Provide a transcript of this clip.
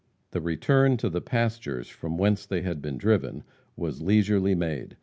The return to the pastures from whence they had been driven was leisurely made.